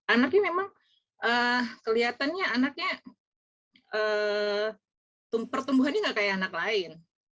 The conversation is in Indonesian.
anaknya memang kelihatannya pertumbuhannya tidak seperti anak lain